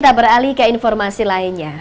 kita beralih ke informasi lainnya